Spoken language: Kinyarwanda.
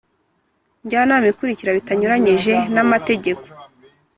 Njyanama ikurikira bitanyuranyije n amategeko